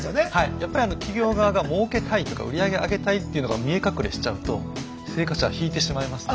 やっぱり企業側が儲けたいとか売上を上げたいっていうのが見え隠れしちゃうと生活者は引いてしまいますので。